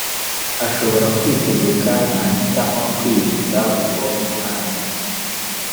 ashobora kwitegeka nahitamo kwirinda uwo mwari